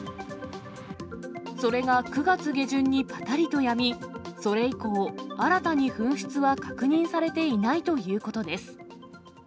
それが９月下旬にぱたりとやみ、それ以降、新たに噴出は確認されていないということです。